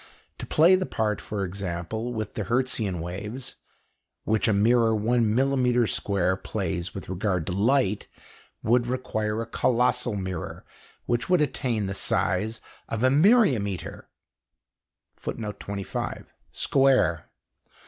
To play the part, for example, with the Hertzian waves, which a mirror 1 millimetre square plays with regard to light, would require a colossal mirror which would attain the size of a myriametre square.